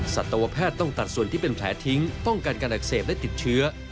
สัตวแพทย์ต้องตัดส่วนที่เป็นแผลทิ้งป้องกันการอักเสบและติดเชื้อ